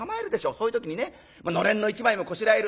そういう時にねのれんの１枚もこしらえる。